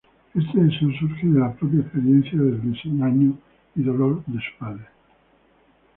Este deseo surge de la propia experiencia de desengaño y dolor de su padre.